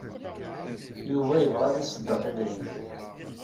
Yuba yebɣa ad iṣeddeq idrimen.